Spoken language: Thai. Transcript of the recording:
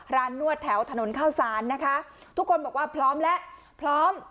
นวดแถวถนนข้าวสารนะคะทุกคนบอกว่าพร้อมแล้วพร้อม